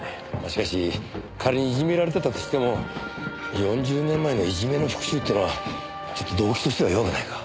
しかし仮にいじめられてたとしても４０年前のいじめの復讐ってのはちょっと動機としては弱くないか？